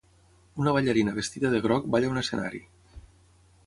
Una ballarina vestida de groc balla a un escenari.